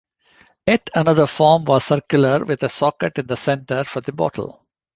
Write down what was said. Yet another form was circular with a socket in the center for the bottle.